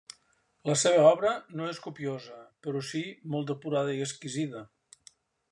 La seva obra no és copiosa, però si molt depurada i exquisida.